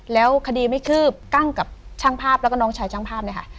แล้วคดีไม่คืบกั้งกับช่างภาพแล้วก็น้องชายช่างภาพเลยค่ะ